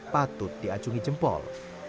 patut diacungi jempol